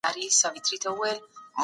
مشران تل د هيواد د ازادۍ درناوی کوي.